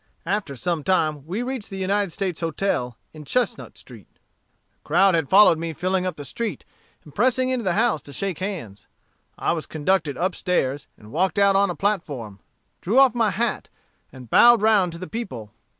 After some time we reached the United States Hotel, in Chesnut Street." "The crowd had followed me filling up the street, and pressing into the house to shake hands. I was conducted up stairs, and walked out on a platform, drew off my hat, and bowed round to the people.